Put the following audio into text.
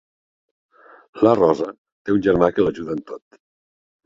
La Rosa té un germà que l'ajuda en tot